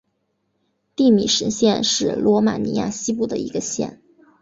蒂米什县是罗马尼亚西部的一个县。